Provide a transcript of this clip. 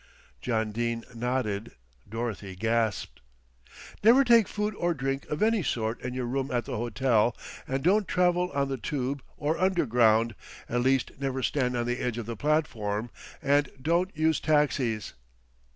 John Dene nodded, Dorothy gasped. "Never take food or drink of any sort in your room at the hotel, and don't travel on the Tube or Underground, at least never stand on the edge of the platform, and don't use taxis."